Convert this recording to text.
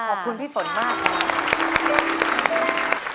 ขอบคุณพี่ฝนมาก